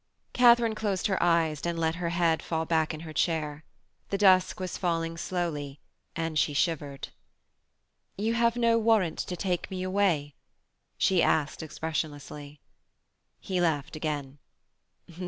Katharine closed her eyes and let her head fall back in her chair. The dusk was falling slowly, and she shivered. 'You have no warrant to take me away?' she asked, expressionlessly. He laughed again.